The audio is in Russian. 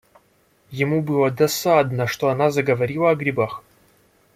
Ему было досадно, что она заговорила о грибах.